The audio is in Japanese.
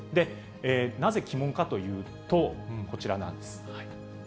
なぜ鬼門かというと、こちらなんです。